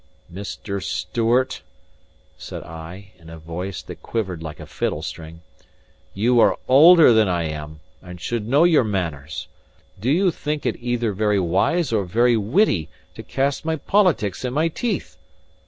"Mr. Stewart," said I, in a voice that quivered like a fiddle string, "you are older than I am, and should know your manners. Do you think it either very wise or very witty to cast my politics in my teeth?